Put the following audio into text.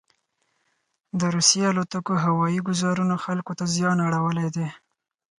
دروسیې الوتکوهوایي ګوزارونوخلکو ته زیان اړولی دی.